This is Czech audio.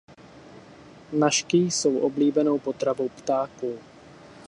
Nažky jsou oblíbenou potravou ptáků.